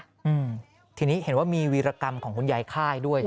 อืมทีนี้เห็นว่ามีวีรกรรมของคุณยายค่ายด้วย